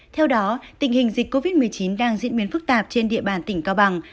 theo đó tình hình dịch covid một mươi chín đang diễn biến phức tạp trên địa bàn tỉnh cao bằng